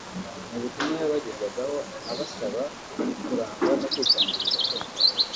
Mu butumwa yabagezagaho abasaba kurangwa no kwitangira urukundo